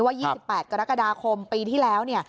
๒๘กรกฎาคมปีที่แล้ว